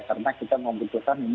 karena kita membutuhkan ini